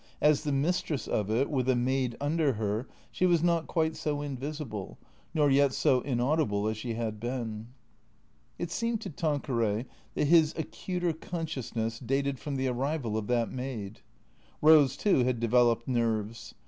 As the mistress of it, with a maid under her, she was not quite so invisible, nor yet so inaudible as she had been. It seemed to Tanqueray that his acuter consciousness dated from the arrival of that maid. Eose, too, had developed nerves.